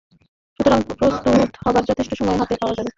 সুতরাং প্রস্তুত হবার যথেষ্ট সময় হাতে পাওয়া যাবে।